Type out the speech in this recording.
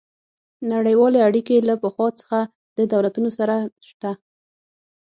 نړیوالې اړیکې له پخوا څخه د دولتونو سره شته